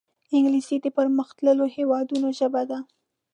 انګلیسي د پرمختللو هېوادونو ژبه ده